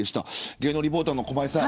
芸能リポーターの駒井さん。